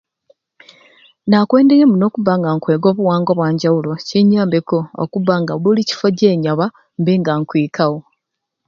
Nakwendirye muno okuba nga nkwega obuwanga obwanjawulo kinyambeku buli kifo gyenyaba mbe nga nkwikawo